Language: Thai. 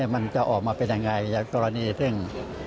มันจะออกมาเป็นอย่างไรอย่างกรณีเอธึง